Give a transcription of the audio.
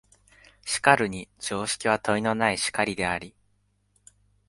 しかるに常識は問いのない然りであり、